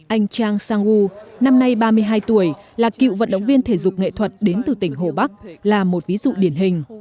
anh chang sang gu năm nay ba mươi hai tuổi là cựu vận động viên thể dục nghệ thuật đến từ tỉnh hồ bắc là một ví dụ điển hình